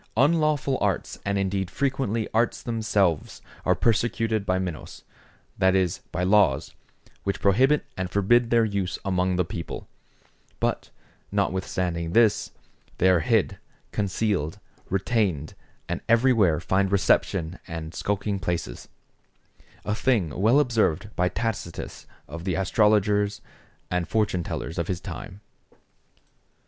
Unlawful arts and indeed frequently arts themselves, are persecuted by Minos, that is, by laws, which prohibit and forbid their use among the people; but notwithstanding this, they are hid, concealed, retained, and everywhere find reception and skulking places; a thing well observed by Tacitus of the astrologers and fortune tellers of his time.